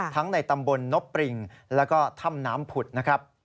ในตำบลนบปริงแล้วก็ถ้ำน้ำผุดนะครับ